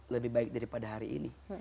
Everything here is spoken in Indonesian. lebih baik daripada hari ini